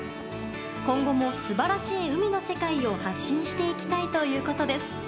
今後も素晴らしい海の世界を発信していきたいということです。